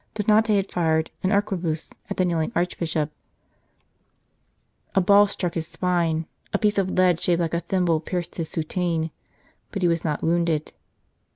Donate had fired an arquebuse at the kneeling Archbishop ; a ball struck his spine, a piece of lead shaped like a thimble pierced his soutane, but he was not wounded.